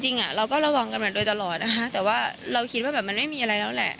จริงเราก็ระวังกันแบบนั้นโดยตลอดแต่ว่าเราคิดว่ามันไม่มีอะไรแล้วแหละ